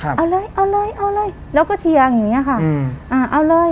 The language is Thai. เอาเลยเอาเลยเอาเลยแล้วก็เชียร์อย่างเงี้ค่ะอืมอ่าเอาเลย